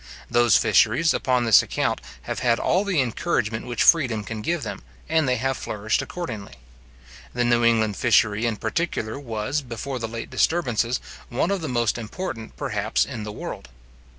Those fisheries, upon this account, have had all the encouragement which freedom can give them, and they have flourished accordingly. The New England fishery, in particular, was, before the late disturbances, one of the most important, perhaps, in the world.